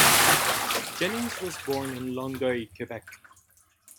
Jennings was born in Longueuil, Quebec.